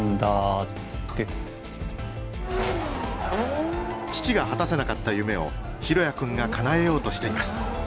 父が果たせなかった夢を大也君がかなえようとしています。